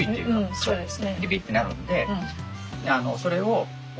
そうですよね。